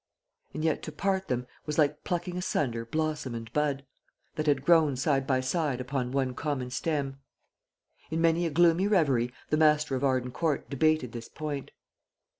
And yet to part them was like plucking asunder blossom and bud, that had grown side by side upon one common stem. In many a gloomy reverie the master of Arden Court debated this point.